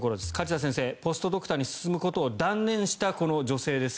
梶田先生ポストドクターに進むことを断念したこの女性です